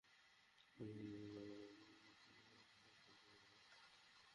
রাজনীতিতে তিনি সক্রিয় ছিলেন, কিন্তু সামনের কাতারে আসার আগ্রহ খুব দেখাননি।